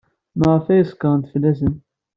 Maɣef ay skerksent fell-asen?